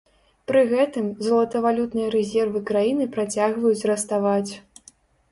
Пры гэтым золатавалютныя рэзервы краіны працягваюць раставаць.